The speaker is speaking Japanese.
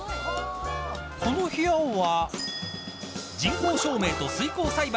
この部屋は。